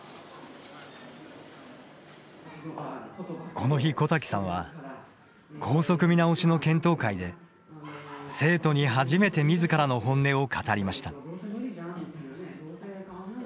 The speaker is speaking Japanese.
この日、小瀧さんは校則見直しの検討会で生徒に初めてみずからの本音を語りました。